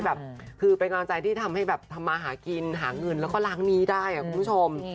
แบบคือเป็นกำลังใจที่ทำให้แบบทำมาหากินหาเงินแล้วก็ล้างหนี้ได้คุณผู้ชม